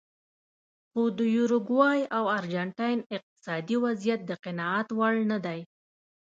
خو د یوروګوای او ارجنټاین اقتصادي وضعیت د قناعت وړ نه دی.